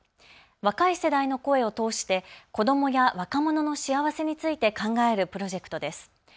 若い世代の声を通して子どもや若者の幸せについて考えるプロジェクトです。